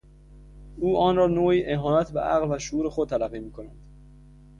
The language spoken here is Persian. او آن را نوعی اهانت به عقل و شعور خود تلقی میکند.